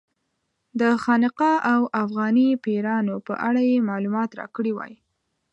د خانقا او افغاني پیرانو په اړه یې معلومات راکړي وای.